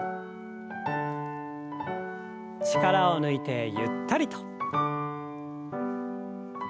力を抜いてゆったりと。